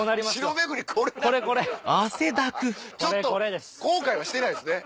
ちょっと後悔はしてないですね？